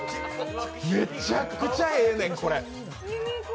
めっちゃくちゃ、ええねん、これ！